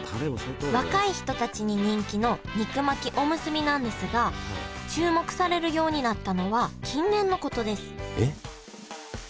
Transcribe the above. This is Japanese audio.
若い人たちに人気の肉巻きおむすびなんですが注目されるようになったのは近年のことです